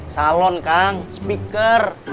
salon kang speaker